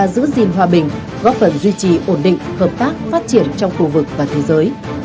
giữ gìn hòa bình góp phần duy trì ổn định hợp tác phát triển trong khu vực và thế giới